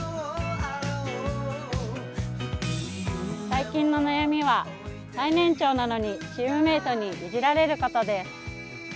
最近の悩みは最年長なのにチームメートにイジられることです。